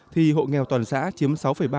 thì hộ nghèo toàn xã chiếm sáu ba